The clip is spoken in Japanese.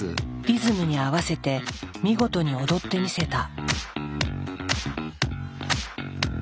リズムに合わせて見事に踊ってみせた。